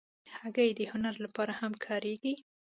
هګۍ د هنر لپاره هم کارېږي.